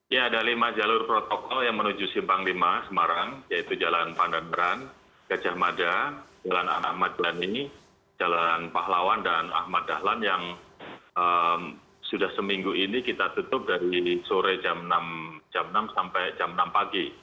ya ada lima jalur protokol yang menuju simpang lima semarang yaitu jalan pandanaran gajah mada jalan anak madrani jalan pahlawan dan ahmad dahlan yang sudah seminggu ini kita tutup dari sore jam enam sampai jam enam pagi